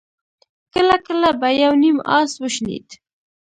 کله کله به يو نيم آس وشڼېد.